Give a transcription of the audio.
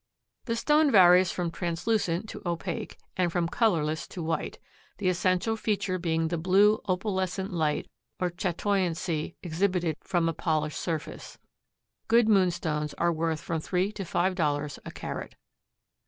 The stone varies from translucent to opaque, and from colorless to white, the essential feature being the blue opalescent light or chatoyancy exhibited from a polished surface. Good moonstones are worth from three to five dollars a carat.